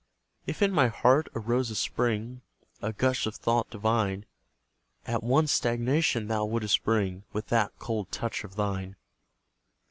If in my heart arose a spring, A gush of thought divine, At once stagnation thou wouldst bring With that cold touch of thine.